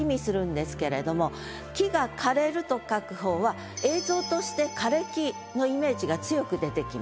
「木が枯れる」と書く方は映像として枯れ木のイメージが強く出てきます。